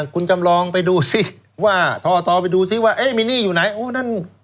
คุณจำลองไปดูซิทอไปดูซิว่ามีนี่อยู่ไหน